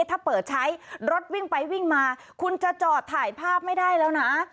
ถ้าเปิดใช้รถวิ่งไปวิ่งมาคุณจะจอดถ่ายภาพไม่ได้แล้วนะ